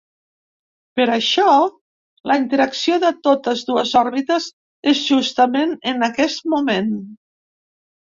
Per això, la interacció de totes dues òrbites és justament en aquest moment.